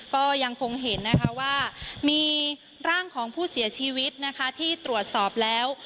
ก็ยังคงเห็นนะคะว่ามีร่างของผู้เสียชีวิตนะคะที่ตรวจสอบแล้ว